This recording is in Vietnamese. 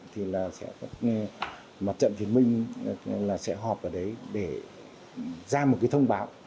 thì là sẽ có một trận thiên minh là sẽ họp ở đấy để ra một cái thông báo